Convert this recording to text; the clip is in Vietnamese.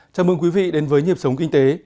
chào mừng quý vị đến với nhịp sống kinh tế